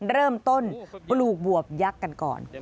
เริ่มต้นปลูกบวบยักษ์กันก่อน